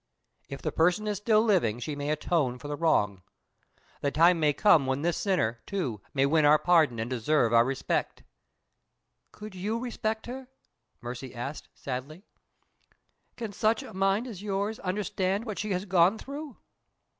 "If the person is still living, she may atone for the wrong. The time may come when this sinner, too, may win our pardon and deserve our respect." "Could you respect her?" Mercy asked, sadly. "Can such a mind as yours understand what she has gone through?"